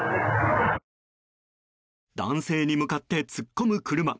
男性に向かって突っ込む車。